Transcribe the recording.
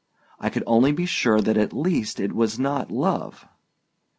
I could only be sure that at least it was not love.